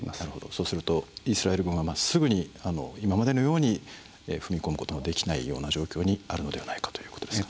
そうするとイスラエル軍はすぐに今までのように踏み切ることができる状況にあるのではないかということですね。